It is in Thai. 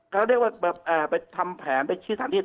ก็เรียกว่าแบบเอ่อไปทำแผนไปชี้สถานที่